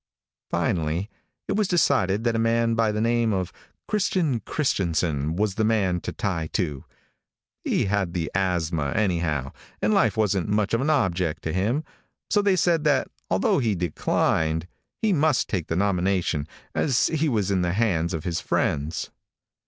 Finally, it was decided that a man by the name of Christian Christianson was the man to tie to. He had the asthma anyhow, and life wasn't much of an object to him, so they said that, although he declined, he must take the nomination, as he was in the hands of his friends.